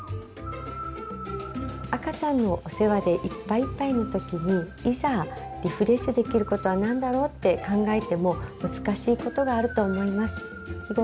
赤ちゃんのお世話でいっぱいいっぱいの時にいざリフレッシュできることは何だろうって考えても難しいことがあると思います。